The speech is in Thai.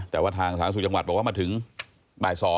แต่ว่าทางสาธารณสุขจังหวัดบอกว่ามาถึงบ่าย๒